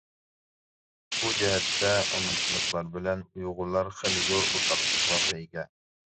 بۇ جەھەتتە ئامېرىكىلىقلار بىلەن ئۇيغۇرلار خېلى زور ئورتاقلىقلارغا ئىگە.